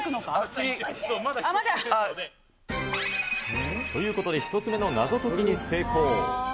次。ということで、１つ目の謎解きに成功。